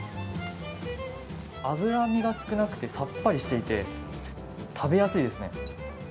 脂身が少なくてさっぱりしていて、食べやすいですね。